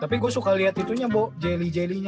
tapi gue suka liat itunya bo jelly jelly nya